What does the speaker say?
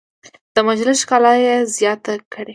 د مجلس ښکلا یې زیاته کړه.